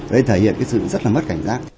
đây thể hiện cái sự rất là mất cảnh giác